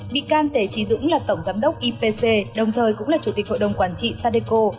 bị can tể trí dũng là tổng giám đốc ipc đồng thời cũng là chủ tịch hội đồng quản trị sadeco